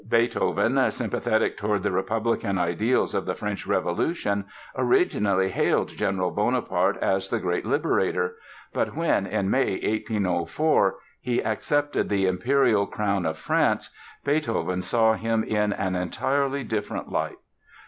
Beethoven, sympathetic toward the republican ideals of the French Revolution, originally hailed General Bonaparte as the Great Liberator, but when in May 1804 he accepted the imperial crown of France, Beethoven saw him in an entirely different light.